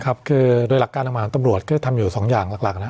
ครับคือโดยหลักการทางมาทางตำรวจก็จะทำอยู่๒อย่างหลักนะ